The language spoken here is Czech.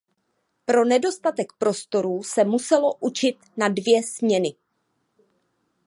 Pro nedostatek prostorů se muselo učit na dvě směny.